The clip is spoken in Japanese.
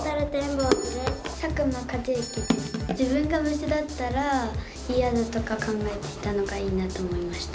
自分が虫だったら嫌だとか考えていたのがいいなと思いました。